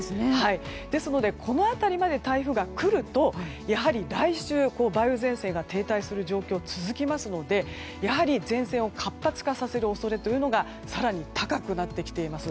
ですのでこの辺りまで台風が来るとやはり来週、梅雨前線が停滞する状況が続くので前線を活発化させる恐れが更に高くなってきています。